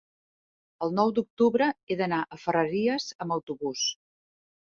El nou d'octubre he d'anar a Ferreries amb autobús.